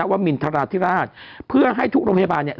นับวัตรมินพระทราชที่ราชเพื่อให้ทุกโรงพยาบาลเนี่ย